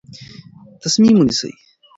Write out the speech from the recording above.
تصمیم ونیسئ.